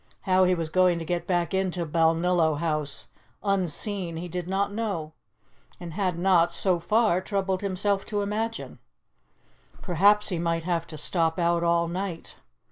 How he was going to get back into Balnillo House, unseen, he did not know, and had not, so far, troubled himself to imagine. Perhaps he might have to stop out all night.